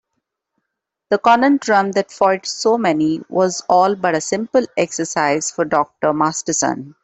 The conundrum that foiled so many was all but a simple exercise for Dr. Masterson.